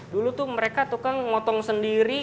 dulu tuh mereka tukang motong sendiri